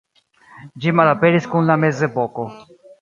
Ĝi malaperis kun la mezepoko.